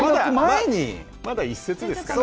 まだ１節ですから。